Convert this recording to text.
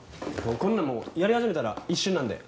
こんなのもうやり始めたら一瞬なんで。